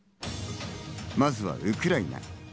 まずはウクライナ。